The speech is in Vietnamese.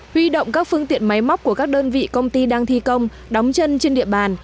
huy động các phương tiện máy móc của các đơn vị công ty đang thi công đóng chân trên địa bàn